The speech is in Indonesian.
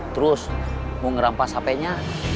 terus mau ngerampas hpnya